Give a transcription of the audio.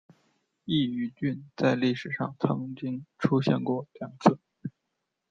刈羽郡在历史上曾经出现过两次。